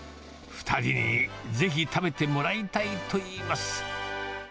２人にぜひ食べてもらいたいといいます。